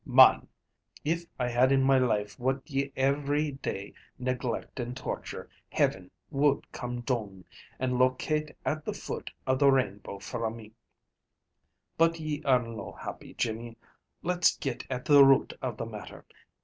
Mon! If I had in my life what ye every day neglect and torture, Heaven would come doon, and locate at the foot of the Rainbow fra me. But, ye are no happy, Jimmy. Let's get at the root of the matter.